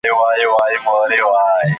په نصیب یې وي مېلې د جنتونو .